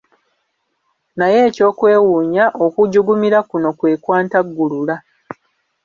Naye eky'okwewuunya okujugumira kuno kwe kwantaggulula.